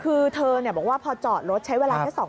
คือเธอบอกว่าพอจอดรถใช้เวลาแค่๒คน